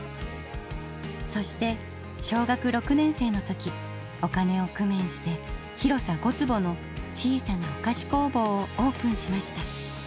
そして小学６年生の時お金を工面して広さ５つぼの小さなお菓子工房をオープンしました。